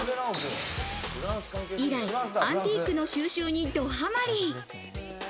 以来、アンティークの収集にドハマリ。